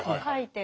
はい。